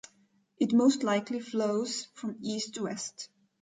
It most likely flows from east to west.